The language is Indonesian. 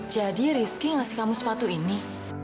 jadi rizky yang kasih kamu sepatu ini